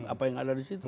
apa yang ada di situ